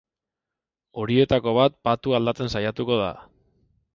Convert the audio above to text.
Horietako bat patua aldatzen saiatuko da.